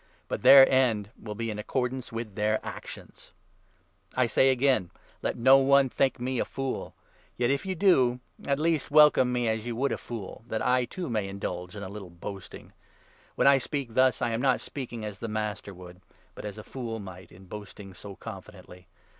But their end will be in accordance with their actions. I say again — Let no one think me a fool 1 Yet, 16 H'* fo*'m* ^ vou d°> at least welcome me as you would a consideration) fool, that I, too, may indulge in a little boasting. •»•• uf* and When I speak thus, I am not speaking as the 17 Master would, but as a fool might, in boasting so confidently.